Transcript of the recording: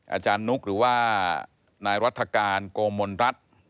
อาจารย์นุกหรือว่านายรัฐกาลโกมลรัฐ